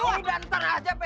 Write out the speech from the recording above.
ya udah ntar aja peh